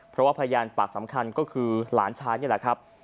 เพราะว่าพยานปากสำคัญก็คือหลานชายนี่แหละครับ